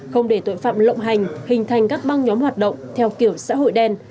không để tội phạm lộng hành hình thành các băng nhóm hoạt động theo kiểu xã hội đen